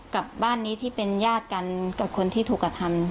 กับบ้านนี้ที่เป็นญาติกันกับคนที่ถูกกระทำ